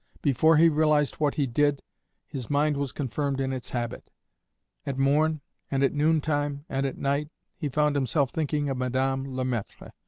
Before he realized what he did, his mind was confirmed in its habit; at morn, and at noontime, and at night, he found himself thinking of Madame Le Maître.